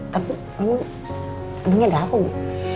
tapi namanya ada apa bu